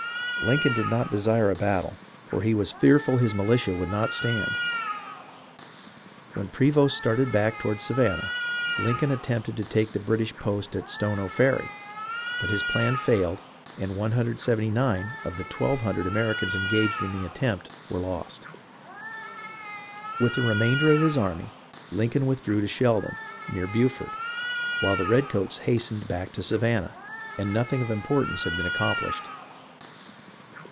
Lincoln did not desire a battle, for THE STRUGGLE IN THE SOUTH 323 he was fearful his militia would not stand. When Prevost started back toward Savannah, Lincoln attempted to take the British post at Stono Ferry ; but his plan failed and 179 of the 1200 Americans engaged in the attempt were lost. With the remainder of his army Lincoln withdrew to Sheldon, near Beaufort, while the redcoats hastened back to Savannah, and nothing of importance had been accomplished.